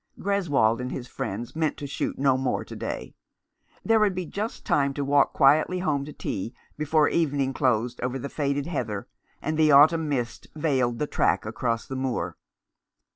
Greswold and his friends meant to shoot no more to day. There would be just time to walk quietly home to tea, before evening closed over the faded heather, and the autumn mists veiled the track across the moor.